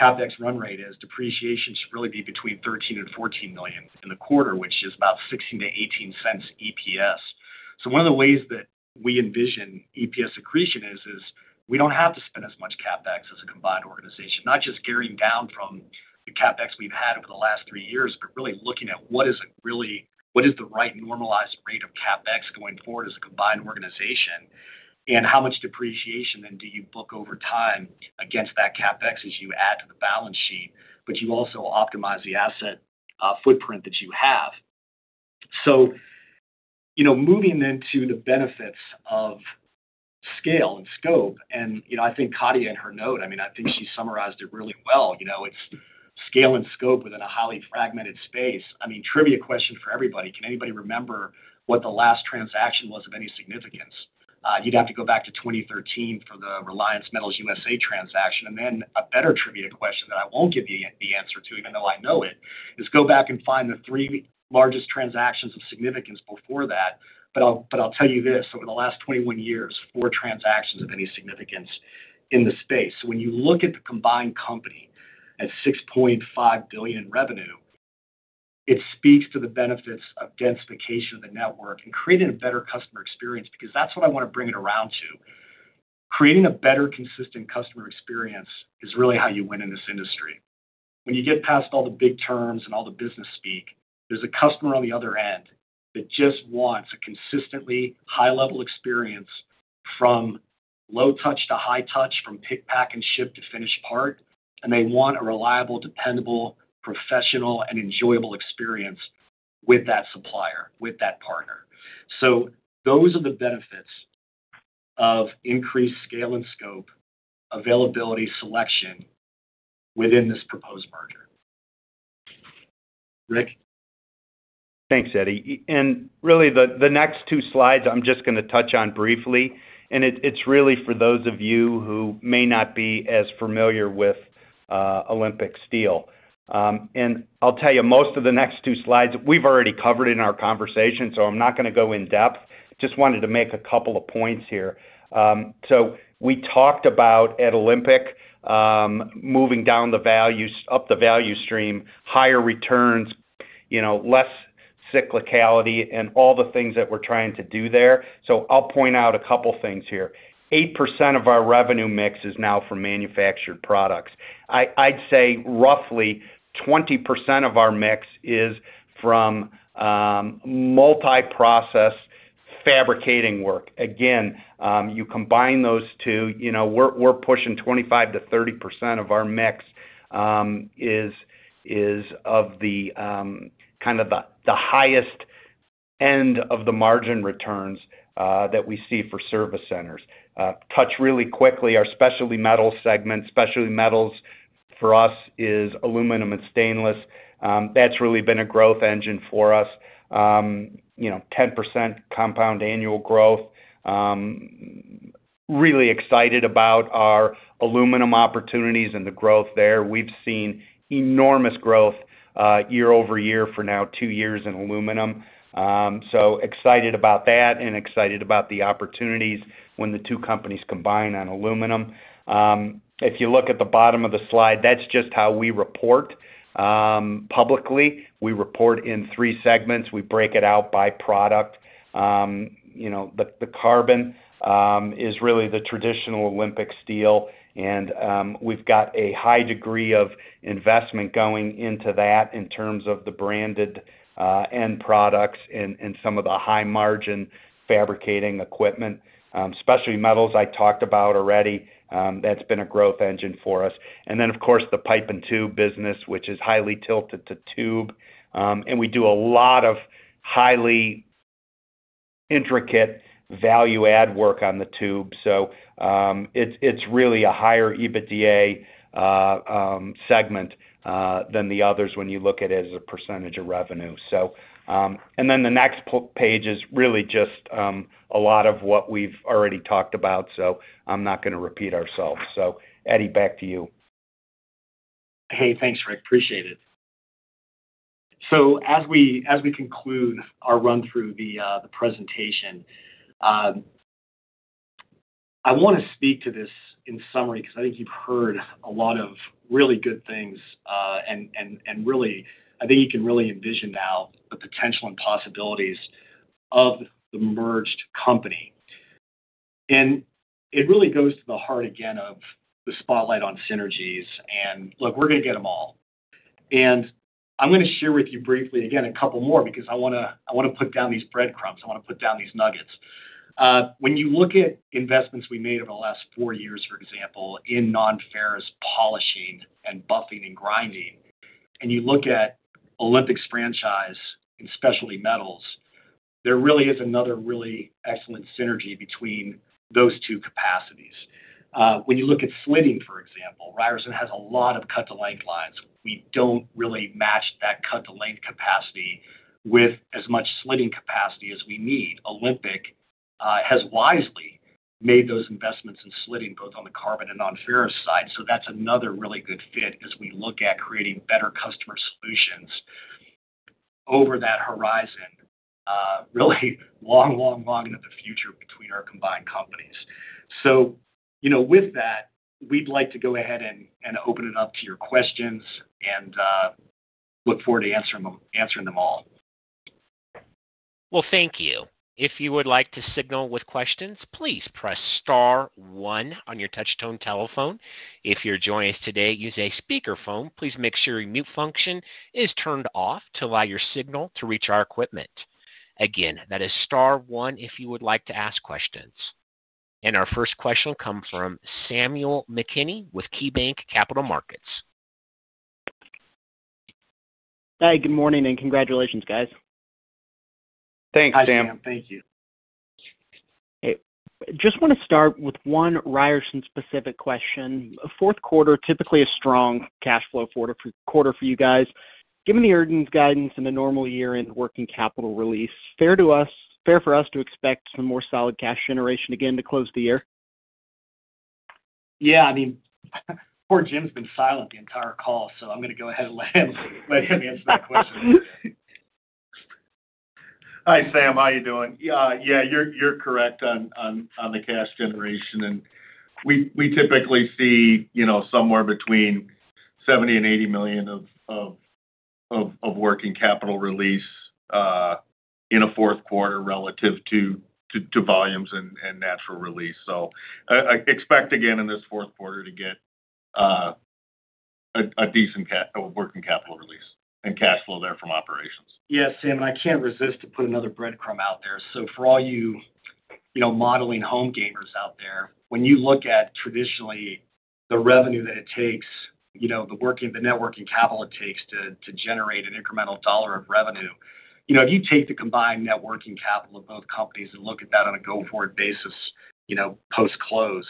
CapEx run rate is, depreciation should really be between $13 million and $14 million in the quarter, which is about $0.16 EPS. One of the ways that we envision EPS accretion is we don't have to spend as much CapEx as a combined organization, not just gearing down from the CapEx we've had over the last three years, but really looking at what is the right normalized rate of CapEx going forward as a combined organization and how much depreciation then do you book over time against that CapEx as you add to the balance sheet but you also optimize the asset footprint that you have. Moving into the benefits of scale and scope, I think Katja in her note, I think she summarized it really well. It's scale and scope within a highly fragmented space. Trivia question for everybody: can anybody remember what the last transaction was of any significance? You'd have to go back to 2013 for the Reliance Metals USA transaction, and then a better trivia question that I won't give you the answer to even though I know it is go back and find the three largest transactions of significance before that. I'll tell you this, over the last 21 years, four transactions of any significance in the space. When you look at the combined company at $6.5 billion revenue, it speaks to the benefits of densification of the network and creating a better customer experience because that's what I want to bring it around to. Creating a better, consistent customer experience is really how you win in this industry. When you get past all the big terms and all the business speak, there's a customer on the other end that just wants a consistently high-level experience from low touch to high touch, from pick, pack, and ship to finished part. They want a reliable, dependable, professional, and enjoyable experience with that supplier, with that partner. Those are the benefits of increased scale and scope, availability, and selection within this proposed merger. Thanks, Eddie. The next two slides I'm just going to touch on briefly and it's really for those of you who may not be as familiar with Olympic Steel. Most of the next two slides, we've already covered in our conversation, so I'm not going to go in depth. I just wanted to make a couple of points here. We talked about at Olympic moving up the value stream, higher returns, less cyclicality, and all the things that we're trying to do there. I'll point out a couple things here. 8% of our revenue mix is now from manufactured products. I'd say roughly 20% of our mix is from multiprocess fabricating work. You combine those two, we're pushing 25% to 30% of our mix as the highest end of the margin returns that we see for service centers. Touching really quickly, our specialty metals segment, specialty metals for us is aluminum and stainless. That's really been a growth engine for us. 10% compound annual growth. Really excited about our aluminum opportunities and the growth there. We've seen enormous growth year over year for now two years in aluminum. Excited about that and excited about the opportunities when the two companies combine on aluminum. If you look at the bottom of the slide, that's just how we report publicly. We report in three segments. We break it out by product. The carbon is really the traditional Olympic Steel and we've got a high degree of investment going into that in terms of the branded end products and some of the high margin fabricating equipment. Specialty metals I talked about already, that's been a growth engine for us. The pipe and tube business, which is highly tilted to tube, and we do a lot of highly intricate value add work on the tube. It's really a higher EBITDA segment than the others when you look at it as a percentage of revenue. The next page is really just a lot of what we've already talked about, so I'm not going to repeat ourselves. Eddie, back to you. Hey, thanks Rick. Appreciate it. As we conclude our run through the presentation, I want to speak to this in summary because I think you've heard a lot of really good things and I think you can really envision now the potential and possibilities of the merged company. It really goes to the heart again of the spotlight on synergies. Look, we're going to get them all and I'm going to share with you briefly again a couple more because I want to put down these breadcrumbs, I want to put down these nuggets. When you look at investments we made over the last four years, for example in non-ferrous polishing and buffing and grinding, and you look at Olympic's franchise and specialty metals, there really is another really excellent synergy between those two capacities. When you look at slitting, for example, Ryerson has a lot of cut-to-length lines. We don't really match that cut-to-length capacity with as much slitting capacity as we need. Olympic has wisely made those investments in slitting both on the carbon and non-ferrous side. That's another really good fit as we look at creating better customer solutions over that horizon, really long, long, long into the future between our combined companies. With that, we'd like to go ahead and open it up to your questions and look forward to answering them all. Thank you. If you would like to signal with questions, please press star one on your touchtone telephone. If you're joining us today using a speakerphone, please make sure your mute function is turned off to allow your signal to reach our equipment. Again, that is star 1 if you would like to ask questions. Our first question comes from Samuel McKinney with KeyBanc Capital Markets. Hey, good morning and congratulations, guys. Thanks Sam. Thank you. Just want to start with one Ryerson specific question. Fourth quarter, typically a strong cash flow quarter for you guys given the earnings guidance and a normal year end working capital release. Fair for us to expect some more solid cash generation again to close the year. Yeah, I mean poor Jim been silent the entire call, so I'm going to go ahead and let him answer that question. Hi Sam, how are you doing? Yeah, you're correct on the cash generation. We typically see, you know, somewhere between $70 million and $80 million of working capital release in the fourth quarter relative to volumes and natural release. I expect again in this fourth quarter to get a decent working capital release and cash flow there from operations. Yes, Sam, and I can't resist to put another breadcrumb out there. For all you modeling home gamers out there, when you look at traditionally the revenue that it takes, the net working capital it takes to generate an incremental dollar of revenue, if you take the combined net working capital of both companies and look at that on a go forward basis post close,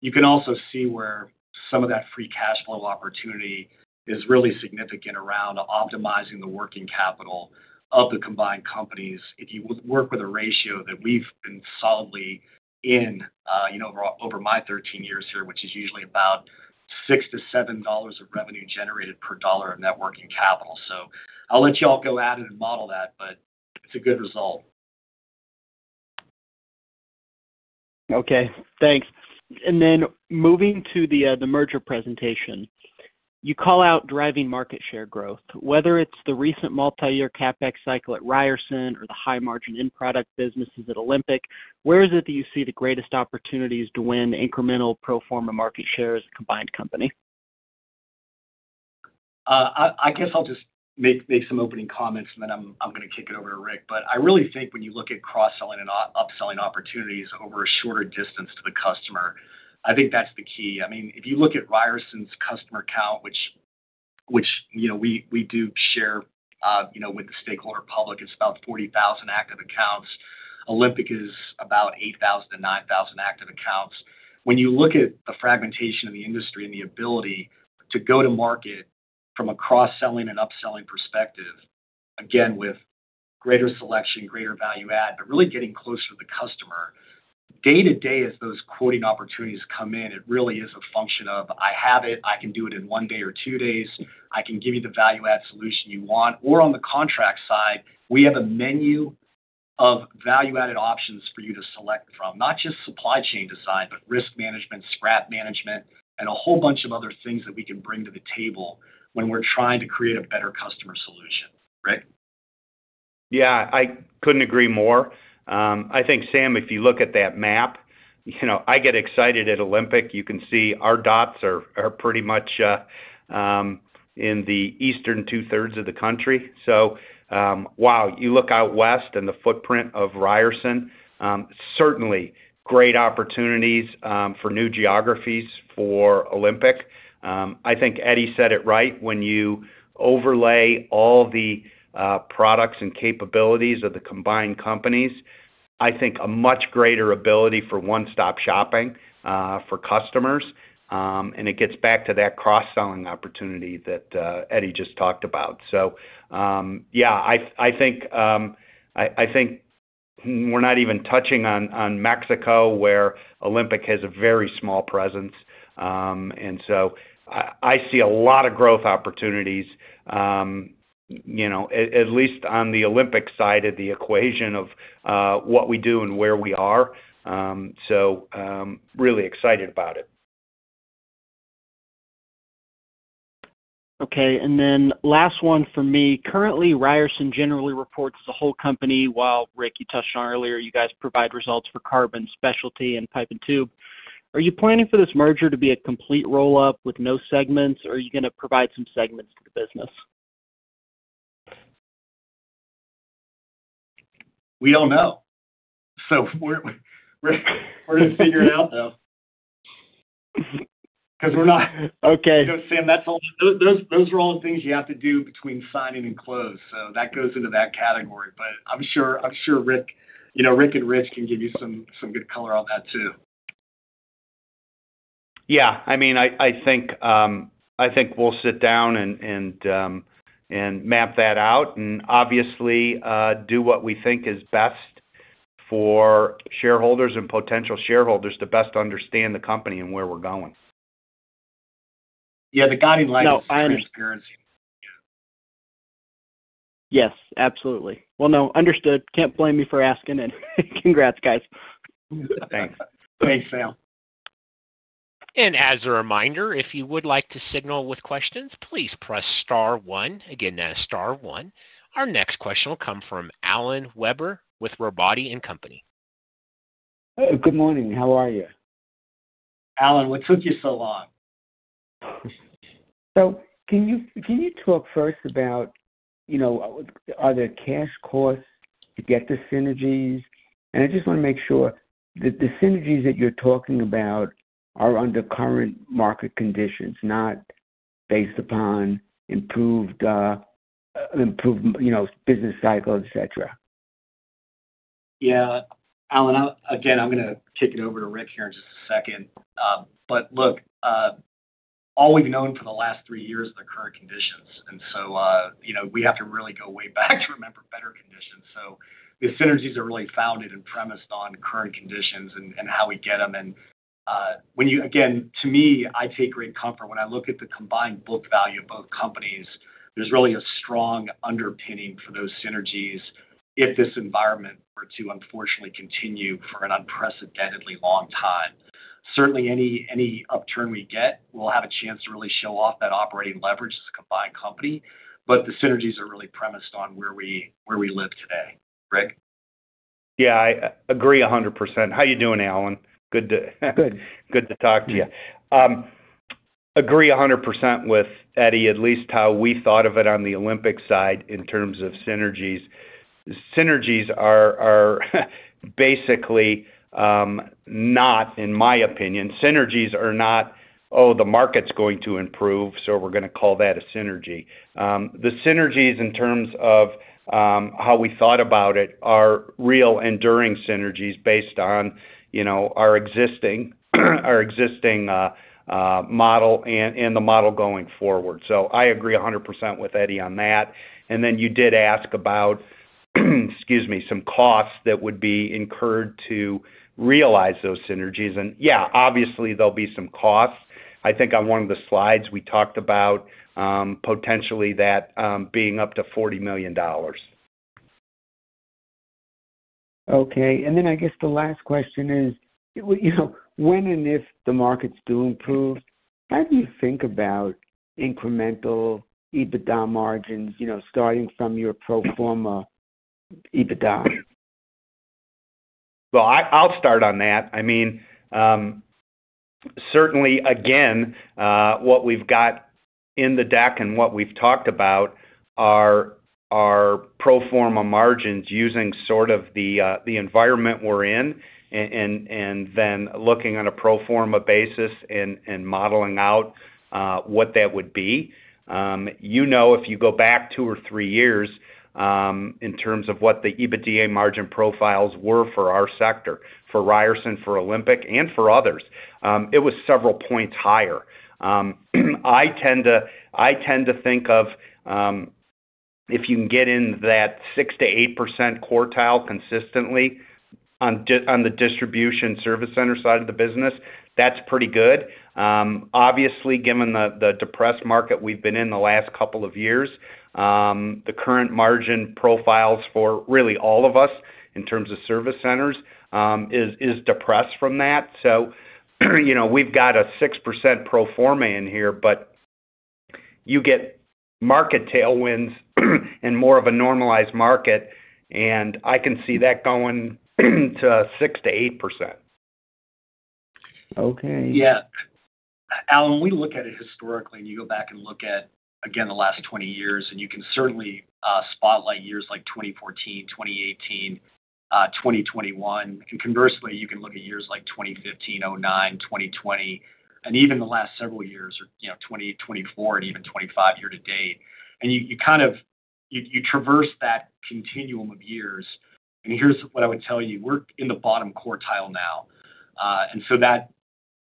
you can also see where some of that free cash flow opportunity is really significant around optimizing the working capital of the combined companies. If you work with a ratio that we've been solidly in over my 13 years here, which is usually about $6 to $7 of revenue generated per dollar of net working capital. I'll let you all go at it and model that, but it's a good result. Okay, thanks. Moving to the merger presentation, you call out driving market share growth, whether it's the recent multi-year CapEx cycle at Ryerson or the high margin end product businesses at Olympic. Where is it that you see the greatest opportunities to win incremental pro forma market share as a combined company? I guess I'll just make some opening comments and then I'm going to kick it over to Rick. I really think when you look at cross selling and upselling opportunities over a shorter distance to the customer, I think that's the key. If you look at Ryerson's customer count, which we do share with the stakeholder public, it's about 40,000 active accounts. Olympic is about 8,000 to 9,000 active accounts. When you look at the fragmentation in the industry and the ability to go to market from a cross selling and upselling perspective, again with greater selection, greater value add, but really getting closer to the customer day to day as those quoting opportunities come in, it really is a function of I have it, I can do it in one day or two days. I can give you the value add solution you want. On the contract side we have a menu of value added options for you to select from. Not just supply chain design, but risk management, scrap management, and a whole bunch of other things that we can bring to the table when we're trying to create a better customer solution. Rick? Yeah, I couldn't agree more. I think, Sam, if you look at that map, you know, I get excited at Olympic. You can see our dots are pretty much in the eastern two-thirds of the country. Wow, you look out west and the footprint of Ryerson, certainly great opportunities for new geographies for Olympic. I think Eddie said it right. When you overlay all the products and capabilities of the combined companies, I think a much greater ability for one-stop shopping for customers, and it gets back to that cross-selling opportunity that Eddie just talked about. I think we're not even touching on Mexico where Olympic has a very small presence, and I see a lot of growth opportunities at least on the Olympic side of the equation of what we do and where we are, so really excited about it. Okay, and then last one for me, currently Ryerson generally reports as a whole company. While Rick, you touched on earlier, you guys provide results for carbon, specialty, and pipe and tube. Are you planning for this merger to be a complete roll up with no segments, or are you going to provide some segments to the business? We don't know. We're going to figure it out, though, because we're not. Okay. Those are all things you have to do between signing and close. That goes into that category. I'm sure Rick and Rich can give you some good color on that too. I think we'll sit down and map that out and obviously do what we think is best for shareholders and potential shareholders to best understand the company and where we're going. The guiding light. Yes, absolutely. Understood. Can't blame me for asking. Congrats, guys. Thanks, Sam. As a reminder, if you would like to signal with questions, please press star one again. That is star one. Our next question will come from Alan Weber with Robotti & Company. Good morning. How are you? Alan? What took you so long? Can you talk first about, you know, are there cash costs to get the synergies? I just want to make sure that the synergies that you're talking about are under current market conditions, not based upon improved, you know, business cycle, etc. Yeah, Alan, again, I'm going to kick it over to Rick here in just a second. Look, all we've known for the last three years are the current conditions. We have to really go way back to remember better conditions. The synergies are really founded and premised on current conditions and how we get them. When you, again, to me, I take great comfort when I look at the combined book value of both companies. There's really a strong underpinning for those synergies. If this environment were to unfortunately continue for an unprecedentedly long time, certainly any upturn we get will have a chance to really show off that operating leverage as a combined company. The synergies are really premised on where we live today. Rick? Yeah, I agree 100%. How you doing, Alan? Good to. Good. Good to talk to you. Agree 100% with Eddie. At least how we thought of it on the Olympic side in terms of synergies. Synergies are basically not, in my opinion, synergies are not, oh, the market's going to improve. We're going to call that a synergy. The synergies in terms of how we thought about it are real enduring synergies based on our existing model and the model going forward. I agree 100% with Eddie on that. You did ask about, excuse me, some costs that would be incurred to realize those synergies. Yeah, obviously there'll be some costs. I think on one of the slides we talked about potentially that being up to $40 million. Okay. I guess the last question is when and if the markets do improve, how do you think about incremental EBITDA margins starting from your pro forma EBITDA? I mean, certainly again, what we've got in the deck and what we've talked about are pro forma margins using sort of the environment we're in and then looking on a pro forma basis and modeling out what that would be, you know, if you go back two or three years in terms of what the EBITDA margin profiles were for our sector, for Ryerson, for Olympic Steel, and for others, it was several points higher. I tend to think of if you can get in that 6% to 8% quartile consistently on the distribution service center side of the business, that's pretty good. Obviously, given the depressed market we've been in the last couple of years, the current margin profiles for really all of us in terms of service centers is depressed from that. We've got a 6% pro forma in here, but you get market tailwinds and more of a normalized market and I can see that going to 6% to 8%. Okay. Yeah, Alan, we look at it historically and you go back and look at again the last 20 years and you can certainly spotlight years like 2014, 2018, 2021. Conversely, you can look at years like 2015, 2009, 2020 and even the last several years, or, you know, 2024 and even 2025 year to date. You traverse that continuum of years. Here's what I would tell you. We're in the bottom quartile now, and that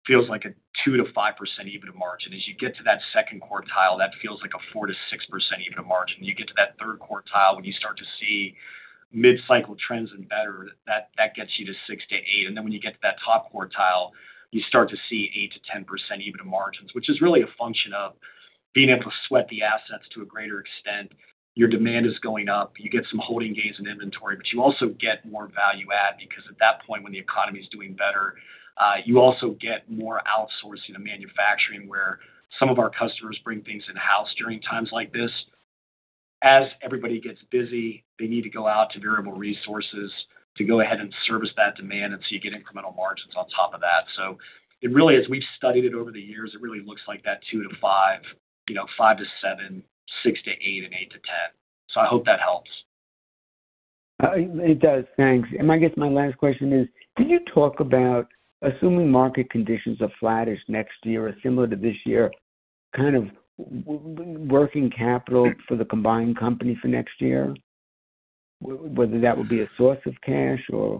feels like a 2% to 5% EBITDA margin. As you get to that second quartile, that feels like a 4% to 6% EBITDA margin. You get to that third quartile when you start to see mid-cycle trends and better, that gets you to 6% to 8%. When you get to that top quartile, you start to see 8% to 10% EBITDA margins, which is really a function of being able to sweat the assets to a greater extent. Your demand is going up, you get some holding gains in inventory, but you also get more value add because at that point when the economy is doing better, you also get more outsourcing and manufacturing where some of our customers bring things in house. During times like this, as everybody gets busy, they need to go out to variable resources to go ahead and service that demand, and you get incremental margins on top of that. As we've studied it over the years, it really looks like that 2% to 5%, you know, 5% to 7%, 6% to 8%, and 8% to 10%. I hope that helps. It does, thanks. I guess my last question is, can you talk about assuming market conditions are flattish next year or similar to this year, kind of working capital for the combined company for next year, whether that would be a source of cash or.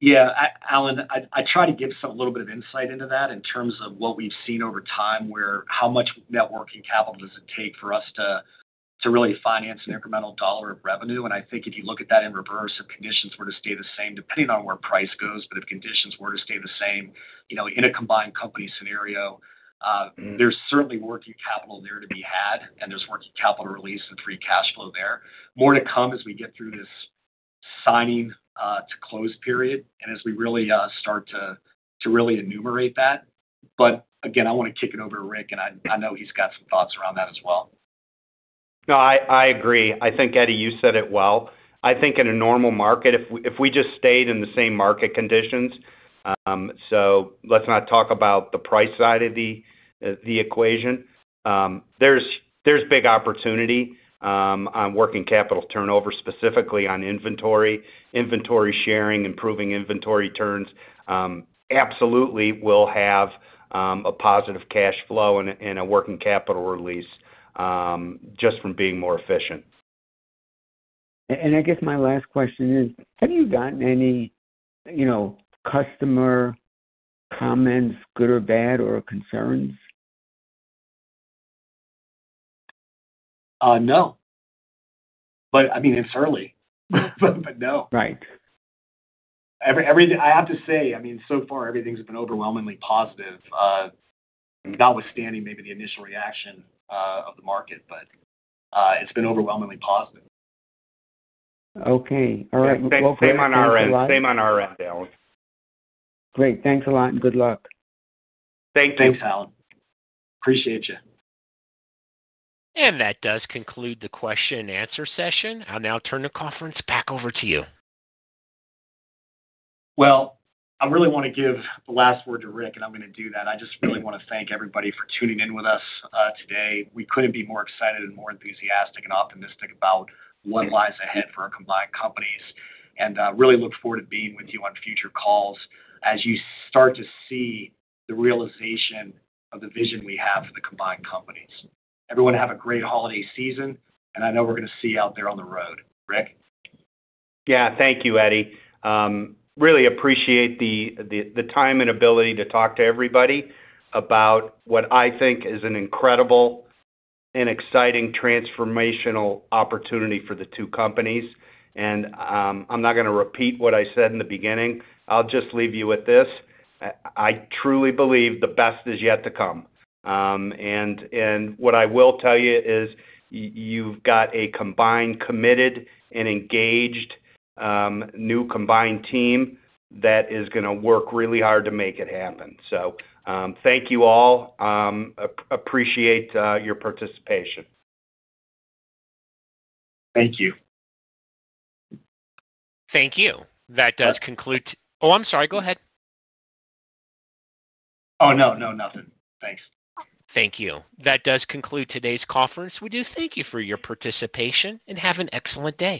Yeah, Alan, I try to give some insight into that in terms of what we've seen over time where how much net working capital does it take for us to really finance an incremental dollar of revenue? I think if you look at that in reverse, if conditions were to stay the same depending on where price goes, if conditions were to stay the same in a combined company scenario, there's certainly working capital there to be had and there's working capital release and free cash flow there, more to come as we get through this signing to close period and as we really start to enumerate that. I want to kick it over to Rick and I know he's got some thoughts around that as well. No, I agree. I think, Eddie, you said it well. I think in a normal market, if we just stayed in the same market conditions, let's not talk about the price side of the equation. There's big opportunity on working capital turnover, specifically on inventory, inventory sharing, improving inventory turns. Absolutely, will have a positive cash flow and a working capital release just from being more efficient. I guess my last question is, have you gotten any customer comments, good or bad or concerns? No, I mean, it's early, but no. Right. Every. I have to say, so far everything's been overwhelmingly positive, notwithstanding maybe the initial reaction of the market, but it's been overwhelmingly positive. Okay. All right. Same on our end, Alan. Great. Thanks a lot. Good luck. Thank you. Thanks, Alan. Appreciate you. That does conclude the question and answer session. I'll now turn the conference back over to you. I really want to give the last word to Rick and I'm going to do that. I just really want to thank everybody for tuning in with us today. We couldn't be more excited and more enthusiastic and optimistic about what lies ahead for our combined companies and really look forward to being with you on future calls as you start to see the realization of the vision we have for the combined companies. Everyone have a great holiday season and I know we're going to see you out there on the road. Rick. Thank you, Eddie. Really appreciate the time and ability to talk to everybody about what I think is an incredible and exciting transformational opportunity for the two companies. I am not going to repeat what I said in the beginning. I will just leave you with this. I truly believe the best is yet to come. What I will tell you is you have got a combined committed and engaged new combined team that is going to work really hard to make it happen. Thank you all. Appreciate your participation. Thank you. Thank you. That does conclude. Oh, I'm sorry, go ahead. Oh, no, nothing. Thanks. Thank you. That does conclude today's conference. We do thank you for your participation and have an excellent day.